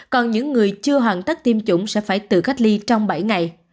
còn những người chưa hoàn tất tiêm chủng sẽ phải tự cách ly trong bảy ngày